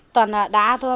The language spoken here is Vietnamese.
toàn là đá thôi